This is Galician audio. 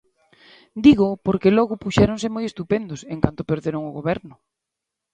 Dígoo porque logo puxéronse moi estupendos, en canto perderon o Goberno.